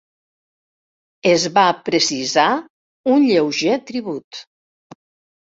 Es va precisar un lleuger tribut.